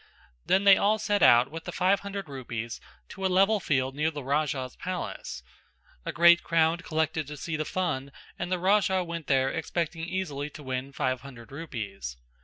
Then they all set out with the five hundred rupees to a level field near the Raja's palace; a great crowd collected to see the fun and the Raja went there expecting easily to win five hundred rupees.